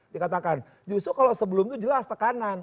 dikatakan justru kalau sebelum itu jelas tekanan